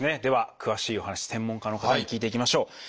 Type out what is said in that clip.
では詳しいお話専門家の方に聞いていきましょう。